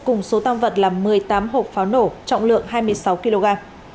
cùng số tam vật là một mươi tám hộp pháo nổ trọng lượng hai mươi sáu kg